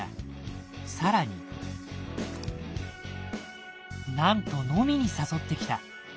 更になんと飲みに誘ってきた。